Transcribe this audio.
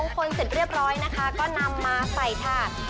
คนเสร็จเรียบร้อยนะคะก็นำมาใส่ถาด